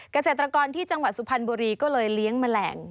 เกษตรกรที่จังหวัดสุพรรณบุรีก็เลยเลี้ยงแมลง